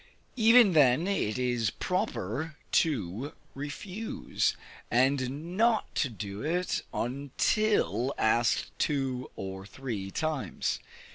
Even then it is proper to refuse, and not to do it until asked two or three times.